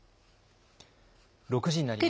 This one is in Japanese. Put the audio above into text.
６時になりました。